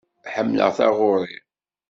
Ḥemmleɣ taɣuri.